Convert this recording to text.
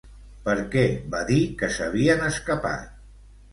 Per què va dir que s'havien escapat?